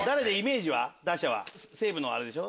西武のあれでしょ？